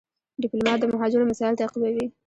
ډيپلومات د مهاجرو مسایل تعقیبوي.